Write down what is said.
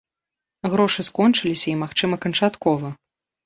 Грошы скончыліся, і, магчыма, канчаткова.